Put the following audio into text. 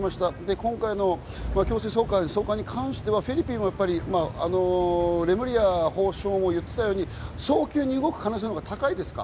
今回の強制送還に関しては、フィリピンはレムリヤ法相も言ってたように早急に動く可能性のほうが高いですか？